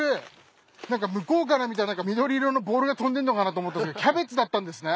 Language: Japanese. なんか向こうから見たらなんか緑色のボールが飛んでんのかなと思ったんですけどキャベツだったんですね。